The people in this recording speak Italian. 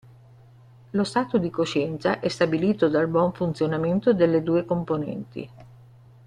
Lo stato di coscienza è stabilito dal buon funzionamento delle due componenti.